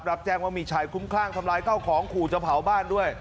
รับแจงว่ามีชายคุ้มคร่างทำลายเข้าของครูจะเผาบ้าน